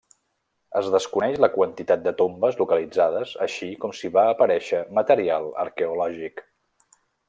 Es desconeix la quantitat de tombes localitzades així com si va aparèixer material arqueològic.